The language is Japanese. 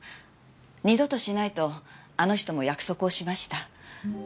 二度としないとあの人も約束をしました。